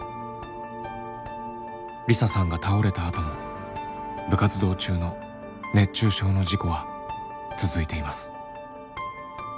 梨沙さんが倒れたあとも部活動中の熱中症の事故は続いています。